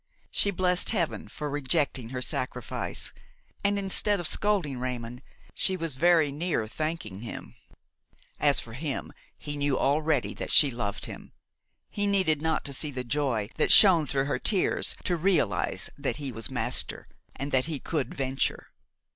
She blessed heaven for rejecting her sacrifice, and, instead of scolding Raymon, she was very near thanking him . As for him, he knew already that she loved him. He needed not to see the joy that shone through her tears to realize that he was master, and that he could venture.